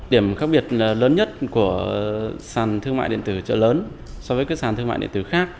điểm khác biệt lớn nhất của sàn thương mại điện tử trợ lớn so với các sàn thương mại điện tử khác